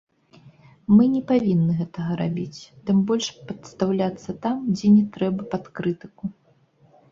Мы не павінны гэтага рабіць, тым больш падстаўляцца там, дзе не трэба, пад крытыку.